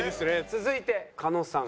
続いて狩野さん。